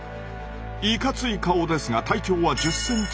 いかつい顔ですが体長は１０ｃｍほど。